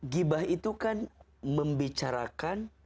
ribah itu kan membicarakan